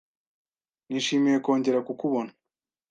Nishimiye kongera kukubona.